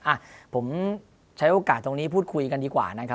อ่ะผมใช้โอกาสตรงนี้พูดคุยกันดีกว่านะครับ